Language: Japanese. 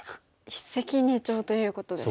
一石二鳥ということですか。